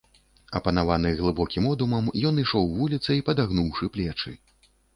Апанаваны глыбокім одумам, ён ішоў вуліцай, падагнуўшы плечы.